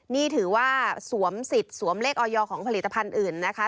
นี่ถือว่าสวมสิทธิ์สวมเลขออยของผลิตภัณฑ์อื่นนะคะ